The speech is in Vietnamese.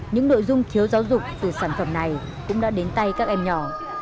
những nội dung thiếu giáo dục từ sản phẩm này cũng đã đến tay các em nhỏ